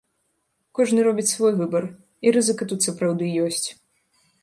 Кожны робіць свой выбар, і рызыка тут сапраўды ёсць.